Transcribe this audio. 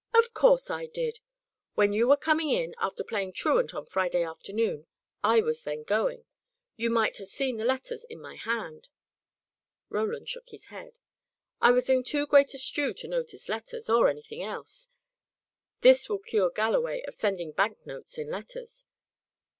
"Of course I did. When you were coming in, after playing truant on Friday afternoon, I was then going. You might have seen the letters in my hand." Roland shook his head. "I was in too great a stew to notice letters, or anything else. This will cure Galloway of sending bank notes in letters.